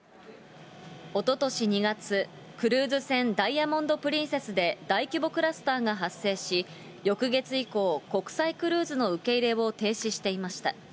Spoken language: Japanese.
おととし２月、クルーズ船、ダイヤモンド・プリンセスで大規模クラスターが発生し、翌月以降、国際クルーズの受け入れを停止していました。